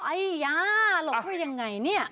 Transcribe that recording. ไอ้ยาหลบไว้ยังไงเนี่ย